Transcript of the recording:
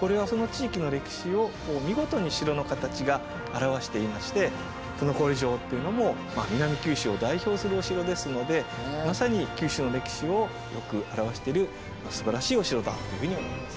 これはその地域の歴史を見事に城の形が表していまして都於郡城というのも南九州を代表するお城ですのでまさに九州の歴史をよく表しているすばらしいお城だというふうに思います。